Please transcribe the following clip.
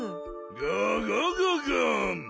ガガガガン。